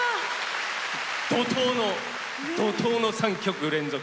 怒とうの、怒とうの３曲連続。